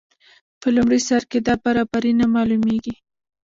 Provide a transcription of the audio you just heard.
په لومړي سر کې دا برابري نه معلومیږي.